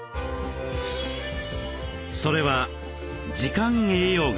それは「時間栄養学」。